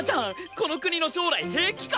この国の将来平気か？